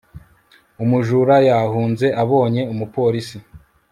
Umujura yahunze abonye umupolisi